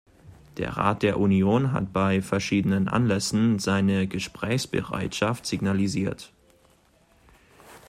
Der Rat der Union hat bei verschiedenen Anlässen seine Gesprächsbereitschaft signalisiert.